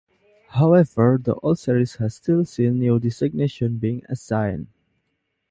However, the old series has still seen new designations being assigned.